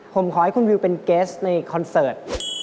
ผมขอให้คุณวิวเป็นเกสในคอนเสิร์ต